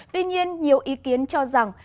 tuy nhiên nhiều ý kiến cho rằng